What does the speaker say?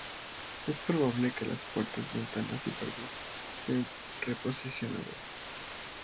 Es probable que las puertas, ventanas y paredes sean re-posicionados.